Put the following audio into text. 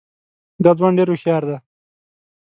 دا ځوان ډېر هوښیار دی.